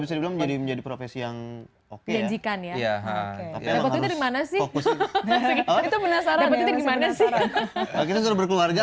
bisa jadi menjadi profesi yang oke jika nih ya ya gimana sih itu penasaran gimana sih